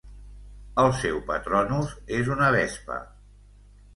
El seu patronus és una vespa.